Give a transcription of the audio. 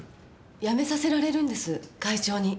辞めさせられるんです会長に。